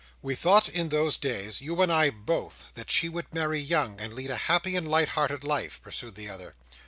"We thought in those days: you and I both: that she would marry young, and lead a happy and light hearted life," pursued the other.